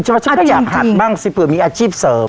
ใช่ปะฉันก็อยากฮัดบ้างสิแปลว่ามีอาชีพเสริม